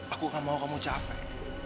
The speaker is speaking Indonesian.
aku tidak mau kamu capek